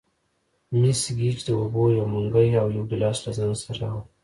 مس ګېج د اوبو یو منګی او یو ګیلاس له ځان سره راوړ.